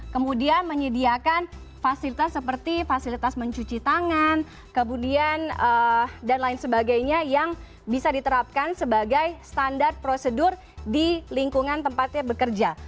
kemudian menyediakan fasilitas seperti fasilitas mencuci tangan kemudian dan lain sebagainya yang bisa diterapkan sebagai standar prosedur di lingkungan tempatnya bekerja